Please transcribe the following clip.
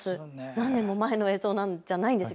何年も前の映像じゃないですよ。